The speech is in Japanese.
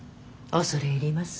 恐れ入ります。